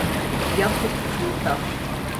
Я б паступіў так.